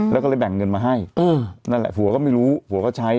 แล้วก็เลยแบ่งเงินมาให้นั่นแหละผัวก็ไม่รู้ผัวก็ใช้